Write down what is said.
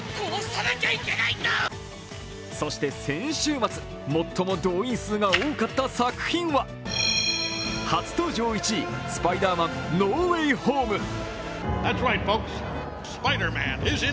そして先週末、最も動員数が多かった作品は初登場１位、「スパイダーマン：ノー・ウェイ・ホーム」